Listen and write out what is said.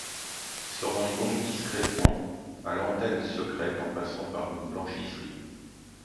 Ils se rendent donc discrètement à l'antenne secrète en passant par une blanchisserie.